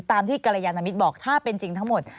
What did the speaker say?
ตามที่กรยานมิตรบอกถ้าเป็นจริงทั้งหมด